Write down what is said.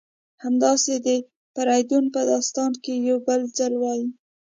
همداسې د فریدون په داستان کې یو بل ځل وایي: